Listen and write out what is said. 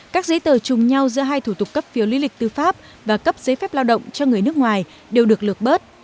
các giấy tờ chung nhau giữa hai thủ tục cấp phiếu lý lịch tư pháp và cấp giấy phép lao động cho người nước ngoài đều được lược bớt